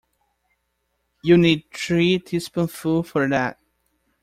You'll need three teaspoonsful for that.